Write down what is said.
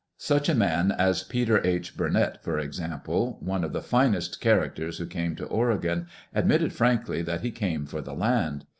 Such a man as Peter H. Burnett, for instance, one of the finest characters who came to Oregon, ad mitted frankly he came for the land.